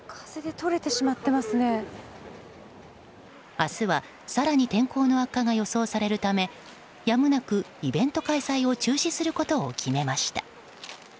明日は、更に天候の悪化が予想されるためやむなくイベント開催を中止することを決めました。